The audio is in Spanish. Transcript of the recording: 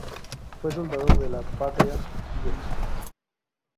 Fue soldado de la Patria Vieja.